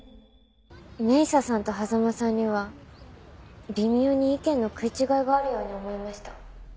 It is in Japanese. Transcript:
明紗さんと狭間さんには微妙に意見の食い違いがあるように思えました。